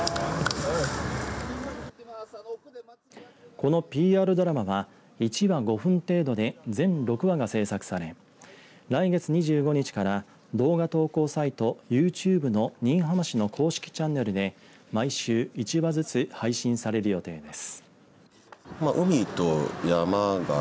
このＰＲドラマは１話５分程度で全６話が制作され来月２５日から動画投稿サイトユーチューブの新居浜市の公式チャンネルで毎週１話ずつ配信される予定です。